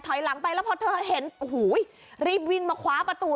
หลังไปแล้วพอเธอเห็นโอ้โหรีบวิ่งมาคว้าประตู